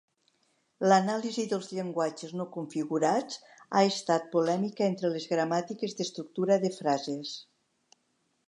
L'anàlisi dels llenguatges no configurats ha estat polèmica entre les gramàtiques d'estructura de frases.